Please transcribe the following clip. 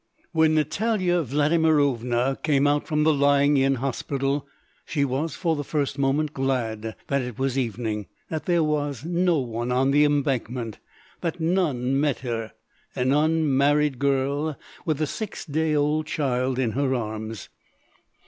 When Natalya Vladimirovna came out from the lying in hospital, she was for the first moment glad that it was evening, that there was no one on the embankment, that none met her—an unmarried girl, with a six day old child in her arms.